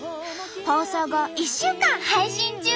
放送後１週間配信中！